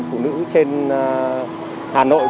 phụ nữ trên hà nội